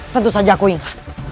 tentu saja aku ingat